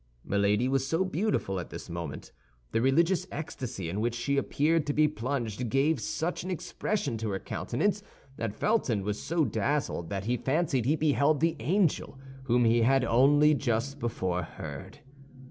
Milady was so beautiful at this moment, the religious ecstasy in which she appeared to be plunged gave such an expression to her countenance, that Felton was so dazzled that he fancied he beheld the angel whom he had only just before heard.